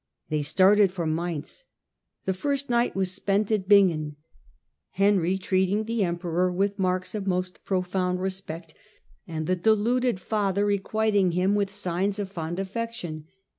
They started for Mainz. The first night was spent at Bingen, Henry treating the emperor with marks of most profound respect, and the deluded father requiting him with signs of fond affection.